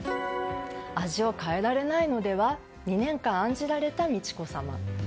味を変えられないのでは２年間案じられた美智子さま。